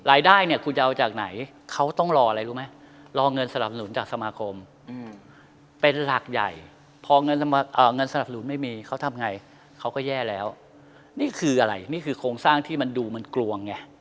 รายได้เนี่ยคุณจะเอาจากไหนเขาต้องรออะไรรู้ไหมรอเงินสนับสนุนจากสมาคมเป็นหลักใหญ่พอเงินสนับสนุนไม่มีเขาทำไงเขาก็แย่แล้วนี่คืออะไรนี่คือโครงสร้างที่มันดูมันกลวงไง